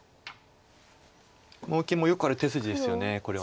このオキもよくある手筋ですよねこれは。